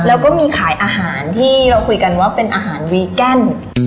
แล้วก็มีขายอาหารที่เราคุยกันว่าเป็นอาหารวีแกน